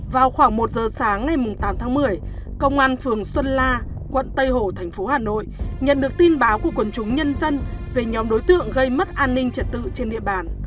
vào khoảng một giờ sáng ngày tám tháng một mươi công an phường xuân la quận tây hồ thành phố hà nội nhận được tin báo của quần chúng nhân dân về nhóm đối tượng gây mất an ninh trật tự trên địa bàn